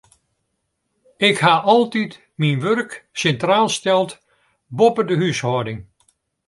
Ik ha altyd myn wurk sintraal steld, boppe de húshâlding.